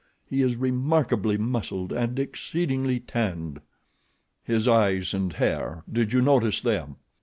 He is remarkably muscled, and exceedingly tanned." "His eyes and hair, did you notice them?"